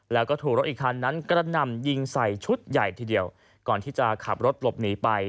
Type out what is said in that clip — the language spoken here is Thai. แล้วก็ถูกรถอีกคันนั้นกระหน่ำยิงใส่ชุดใหญ่ทีเดียวก่อนที่จะขับรถหลบหนีไป